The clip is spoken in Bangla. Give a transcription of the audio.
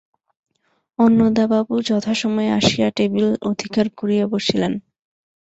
অন্নদাবাবু যথাসময়ে আসিয়া টেবিল অধিকার করিয়া বসিলেন।